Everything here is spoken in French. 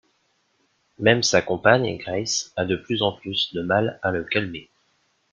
Même sa compagne, Grace, a de plus en plus de mal à le calmer.